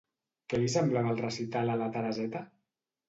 Què li semblava el recital a la Tereseta?